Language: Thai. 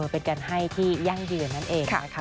เป็นการให้ที่ยั่งยืนนั่นเองนะคะ